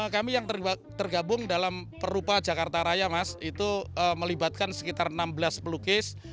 kami yang tergabung dalam perupa jakarta raya mas itu melibatkan sekitar enam belas pelukis